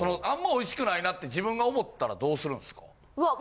あんま美味しくないなって自分が思ったらどうするんすか？